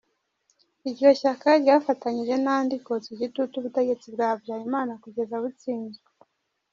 Iryo shyaka ryafatanyije n’andi kotsa igitutu ubutegetsi bwa Habyarimana kugeza butsinzwe.